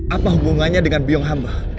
apa hubungannya dengan biong hamba